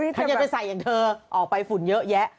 ฉันยังไปใส่อย่างเธอออกไปฝุ่นเยอะแยะ